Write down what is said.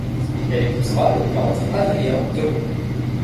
Elle épousera le peintre Adrien Demont.